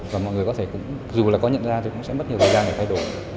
và mọi người có thể dù là có nhận ra thì cũng sẽ mất nhiều thời gian để thay đổi